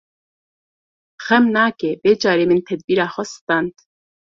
Xem nake vê carê min tedbîra xwe stend.